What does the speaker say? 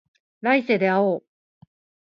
来世で会おう